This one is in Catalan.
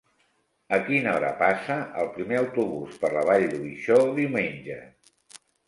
A quina hora passa el primer autobús per la Vall d'Uixó diumenge?